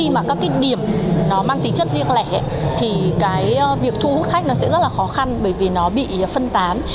mà các cái điểm nó mang tính chất riêng lẻ thì cái việc thu hút khách nó sẽ rất là khó khăn bởi vì nó bị phân tán